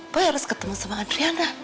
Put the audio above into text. gue harus ketemu sama adriana